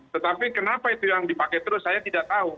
tetapi kenapa itu yang dipakai terus saya tidak tahu